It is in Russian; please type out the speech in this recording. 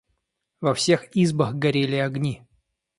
Во всех избах горели огни.